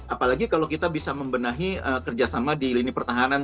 apalagi kalau kita bisa membenahi kerja sama di lini pertahanan